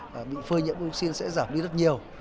thì phơi nhiễm dioxin sẽ giảm đi rất nhiều